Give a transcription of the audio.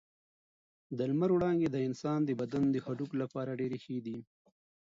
د لمر وړانګې د انسان د بدن د هډوکو لپاره ډېرې ښې دي.